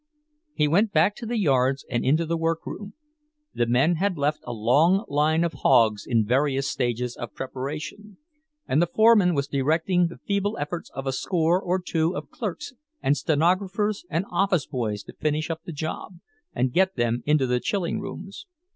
He went back to the yards, and into the workroom. The men had left a long line of hogs in various stages of preparation, and the foreman was directing the feeble efforts of a score or two of clerks and stenographers and office boys to finish up the job and get them into the chilling rooms.